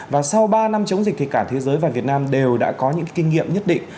và sau ba năm chống dịch thì cả thế giới và việt nam đều đã có những kinh nghiệm nhất định